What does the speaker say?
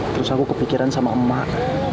terus aku kepikiran sama emak